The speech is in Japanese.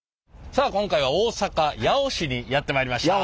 さあ今回は大阪・八尾市にやって参りました。